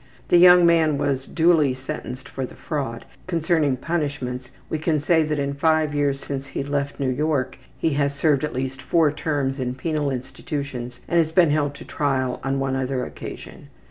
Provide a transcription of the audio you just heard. The young man was duly sentenced for the fraud. Concerning punishments we can say that in the five years since he left New York he has served at least four terms in penal institutions and has been held to trial on one other occasion.